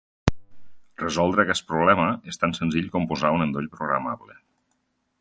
Resoldre aquest problema és tan senzill com posar un endoll programable.